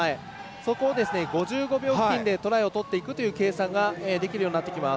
そこを５５秒付近でトライをとっていくという計算ができるようになってきます。